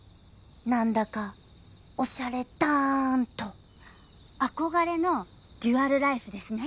何だかおしゃれダーンと憧れのデュアルライフですね。